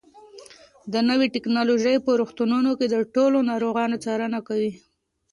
دا نوې ټیکنالوژي په روغتونونو کې د ټولو ناروغانو څارنه کوي.